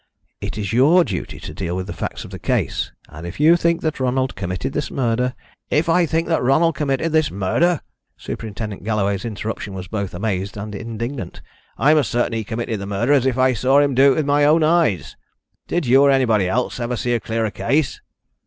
It is your duty to deal with the facts of the case, and if you think that Ronald committed this murder " "If I think that Ronald committed this murder!" Superintendent Galloway's interruption was both amazed and indignant. "I'm as certain he committed the murder as if I saw him do it with my own eyes. Did you, or anybody else, ever see a clearer case?"